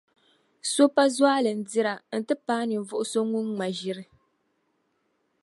So pa zualindira n-ti paai ninvuɣu so ŋun ŋma ʒiri.